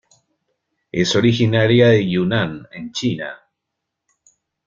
Es originaria de Yunnan en China.